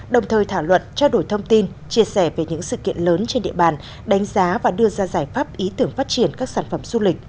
đồng thời thảo luận trao đổi thông tin chia sẻ về những sự kiện lớn trên địa bàn đánh giá và đưa ra giải pháp ý tưởng phát triển các sản phẩm du lịch